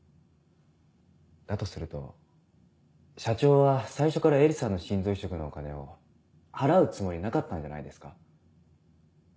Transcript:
だとすると社長は最初から絵理さんの心臓移植のお金を払うつもりなかったんじゃないですか？